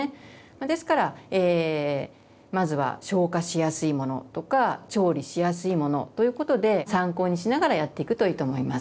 ですからまずは消化しやすいものとか調理しやすいものということで参考にしながらやっていくといいと思います。